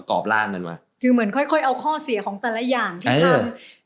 คิดเหมือนค่อยเอาข้อเสียของตลอดย่างที่ทำ